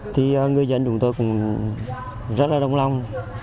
thì người dân chúng tôi cũng rất là đồng lòng